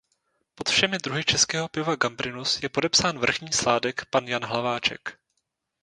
Pod všemi druhy českého piva Gambrinus je podepsán vrchní sládek pan Jan Hlaváček.